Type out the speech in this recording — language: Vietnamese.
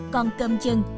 còn cơm chân